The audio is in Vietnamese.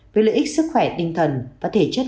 với lợi ích sức khỏe tinh thần và thể chất